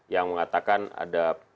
yang mengatakan ada